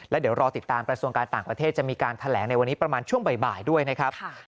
แล้วเดี๋ยวรอติดตามกระทรวงการต่างประเทศจะมีการแถลงในวันนี้ประมาณช่วงบ่ายด้วยนะครับ